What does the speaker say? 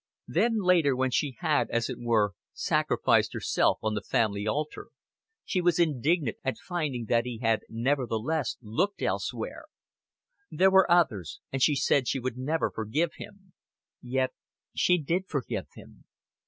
Then later, when she had, as it were, sacrificed herself on the family altar, she was indignant at finding that he had nevertheless looked elsewhere. There were others and she said she would never forgive him. Yet she did forgive him.